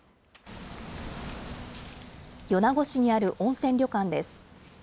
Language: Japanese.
米子市にある温泉旅館です。